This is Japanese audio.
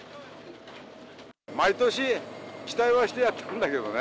毎年、期待はしてやってるんだけどね。